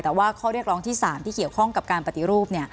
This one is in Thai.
แต่ว่าข้อเรียกร้องที่๓ที่เกี่ยวข้องกับการปฏิรูป